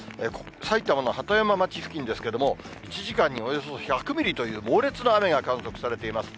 埼玉の鳩山町付近ですけれども、１時間におよそ１００ミリという猛烈な雨が観測されています。